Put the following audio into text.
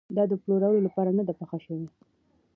دا د پلورلو لپاره نه ده پخه شوې.